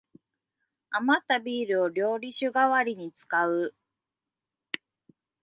あまったビールを料理酒がわりに使う